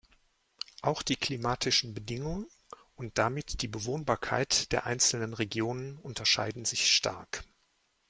Auch die klimatischen Bedingungen und damit die Bewohnbarkeit der einzelnen Regionen unterscheiden sich stark.